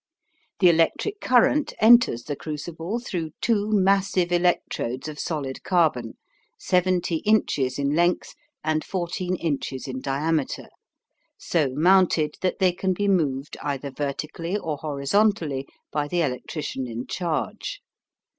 The electric current enters the crucible through two massive electrodes of solid carbon, 70 inches in length and 14 inches in diameter, so mounted that they can be moved either vertically or horizontally by the electrician in charge.